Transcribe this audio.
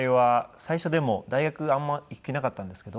最初でも大学あんまり行く気なかったんですけど。